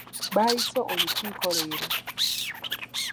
Baayise olukiiko leero.